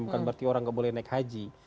bukan berarti orang nggak boleh naik haji